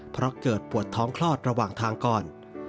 เพราะเกิดปวดท้องคลอดระหว่างทางก่อน